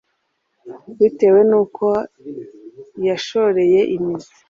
bitewe n uko yashoreye imizi